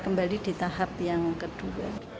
kembali di tahap yang kedua